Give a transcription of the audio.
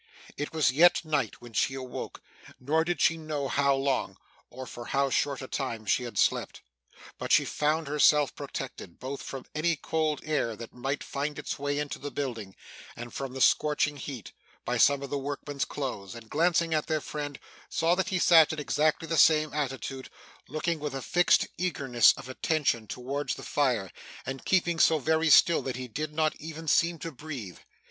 It was yet night when she awoke, nor did she know how long, or for how short a time, she had slept. But she found herself protected, both from any cold air that might find its way into the building, and from the scorching heat, by some of the workmen's clothes; and glancing at their friend saw that he sat in exactly the same attitude, looking with a fixed earnestness of attention towards the fire, and keeping so very still that he did not even seem to breathe.